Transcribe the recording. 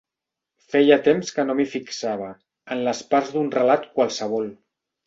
Feia temps que no m'hi fixava, en les parts d'un relat qualsevol.